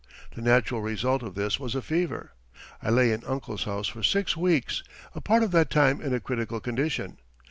The natural result of this was a fever. I lay in uncle's house for six weeks, a part of that time in a critical condition.